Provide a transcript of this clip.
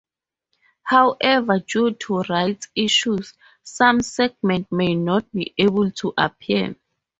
However, due to rights issues, some segments may not be able to appear.